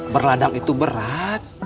berladang itu berat